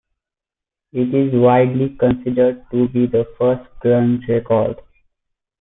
It is widely considered to be the first grunge record.